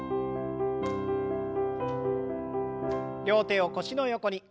両手を腰の横に。